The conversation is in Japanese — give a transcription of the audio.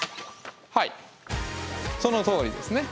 はいそのとおりですね。